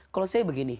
kalau saya begini